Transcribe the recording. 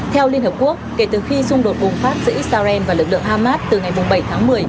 theo liên hợp quốc kể từ khi xung đột bùng phát giữa israel và lực lượng hamas từ ngày bảy tháng một mươi